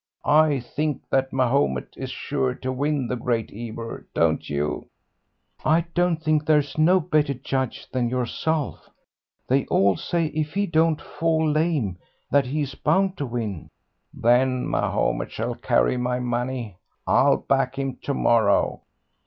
I think that Mahomet is sure to win the Great Ebor, don't you?" "I don't think there's no better judge than yourself. They all say if he don't fall lame that he's bound to win." "Then Mahomet shall carry my money. I'll back him to morrow."